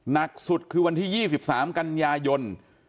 หนักสุดคือวันที่๒๓กันยายน